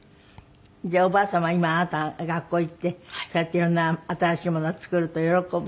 じゃあおばあ様は今あなたが学校へ行ってそうやって色んな新しいものを作ると喜ぶ？